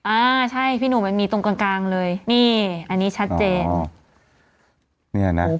อ่าใช่พี่หนูมันมีตรงกลางเลยนี่อันนี้ชัดเจนอ๋อเนี้ยนะ